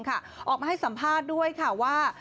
ออกมาให้สัมภาษณ์ด้วยค่ะว่า